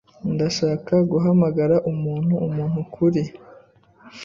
Ndashaka guhamagara umuntu-muntu kuri --.